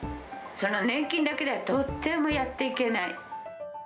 その年金だけではとってもやっていけない。